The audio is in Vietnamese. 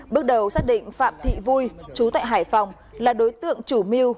bước đầu xác định phạm thị vui trú tại hải phòng là đối tượng chủ miu